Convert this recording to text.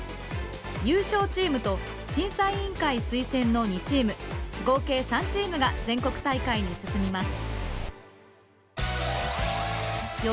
優勝チームと審査委員会推薦の２チーム合計３チームが全国大会に進みます。